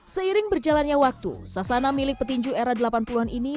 seiring berjalannya waktu sasana milik petinju era delapan puluh an ini